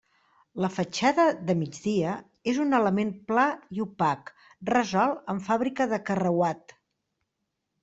La fatxada de migdia és un element pla i opac, resolt amb fàbrica de carreuat.